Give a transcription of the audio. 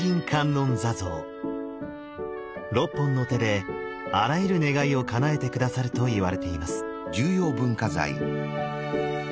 ６本の手であらゆる願いをかなえて下さるといわれています。